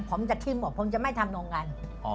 ผมจะชิมหมดผมจะไม่ทำโรงงาน